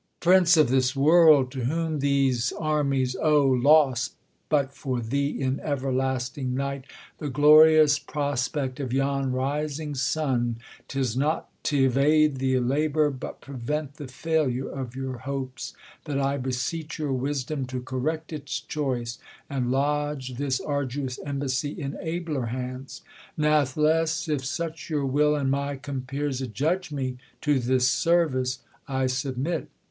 Prince of this world 1 to whom these armies owe, (Lost but for thee iti everlasting night) The glorious prospect of yon rising sun, 'Tis not t' evade the labour, but prevent The failure of your hopes, that 1 beseech Your wisdom to correct its choice, and lodge This arduous embassy in abler hands : Nathless, if such your will, and my compeers Adjudge me to this service, I submit.